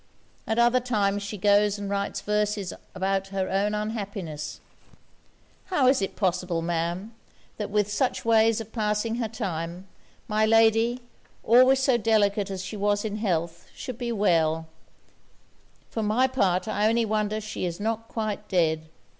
At other times she goes and writes verses about her own unhappiness. How is it possible, Ma'am, that with such ways of passing her time, my lady, always so delicate as she was in health, should be well: for my part I only wonder she is not quite dead.'